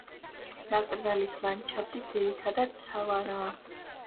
ნაკრძალის ლანდშაფტი ძირითადად სავანაა.